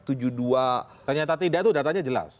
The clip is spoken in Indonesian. ternyata tidak itu datanya jelas